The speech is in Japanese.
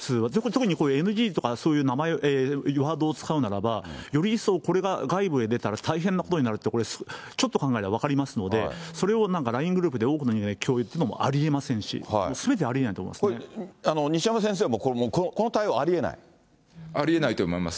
特にＮＧとかいうワードを使うならば、より一層、これが外部に出たら大変なことになるって、ちょっと考えたら分かりますので、それをＬＩＮＥグループで多くの人と共有するのもありえませんし、西山先生もこれ、この対応、ありえないと思います。